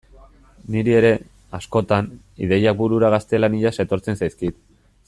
Niri ere, askotan, ideiak burura gaztelaniaz etortzen zaizkit.